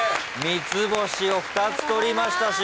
三つ星を２つ取りました。